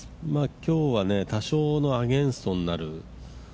今日は多少のアゲンストになる。